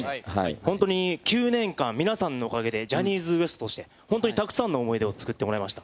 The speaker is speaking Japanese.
本当に９年間、皆さんのおかげで、ジャニーズＷＥＳＴとして、本当にたくさんの思い出を作ってもらいました。